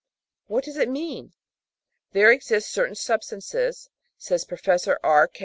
What does it mean? There exist certain substances [says Professor R.